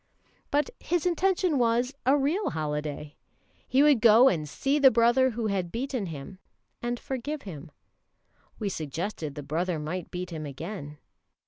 But his intention was a real holiday. He would go and see the brother who had beaten him, and forgive him. We suggested the brother might beat him again.